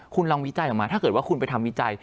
คุณลองวิจัยออกมาถ้าเกิดว่าคุณไปทำวิจัย